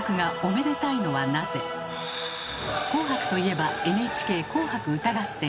紅白といえば「ＮＨＫ紅白歌合戦」。